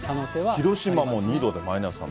広島は２度で、マイナス３度。